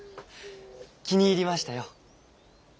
気に入りましたよ。